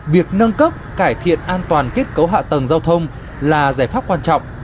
việc nâng cấp cải thiện an toàn kết cấu hạ tầng giao thông là giải pháp quan trọng